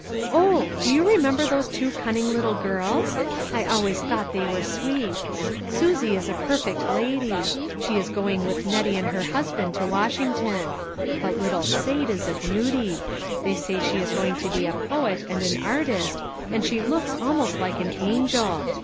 Oh ! do you remember those two cunning little girls ? I always thought they were sweet. Susie is a per fect lady ; she is going with Nettie and her hus band to Washington ; but little Sate is a beauty. They say she is going to be a poet and an artist, and she looks almost like an angel.